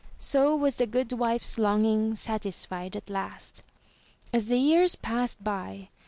So was the good wife's longing satisfied at last. As the years passed by.